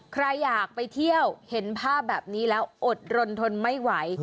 ใครอยากไปเที่ยวเห็นภาพแบบนี้แล้วอดรนทนไม่ไหว